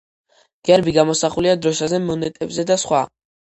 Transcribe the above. გერბი გამოსახულია დროშაზე, მონეტებზე და სხვა.